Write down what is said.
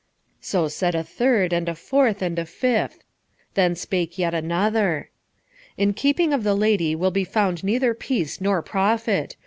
So said a third, and a fourth, and a fifth. Then spake yet another. "In keeping of the lady will be found neither peace nor profit.